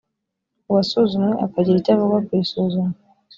uwasuzumwe akagira icyo avuga ku isuzuma